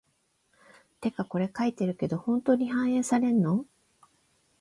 てかこれ書いてるけど、本当に反映されんの？